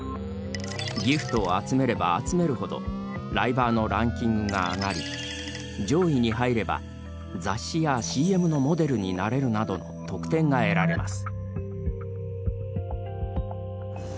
ギフトを集めれば集めるほどライバーのランキングが上がり上位に入れば雑誌やＣＭのモデルになれるなどの特典が得られます。